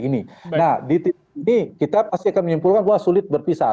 nah di titik ini kita pasti akan menyimpulkan bahwa sulit berpisah